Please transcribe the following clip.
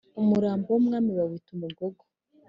Umurambo w’Umwami bawita Umugogo